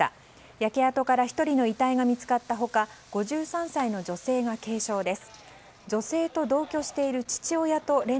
焼け跡から１人の遺体が見つかった他５３歳の女性が軽傷です。